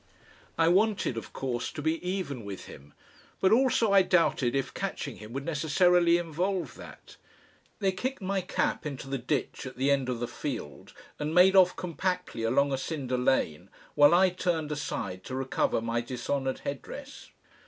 I wanted of course to be even with him, but also I doubted if catching him would necessarily involve that. They kicked my cap into the ditch at the end of the field, and made off compactly along a cinder lane while I turned aside to recover my dishonoured headdress.